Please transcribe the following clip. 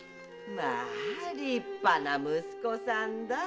まあ立派な息子さんだぁ！